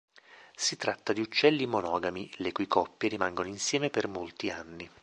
Si tratta di uccelli monogami, le cui coppie rimangono insieme per molti anni.